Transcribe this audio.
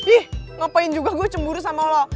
ih ngapain juga gue cemburu sama lo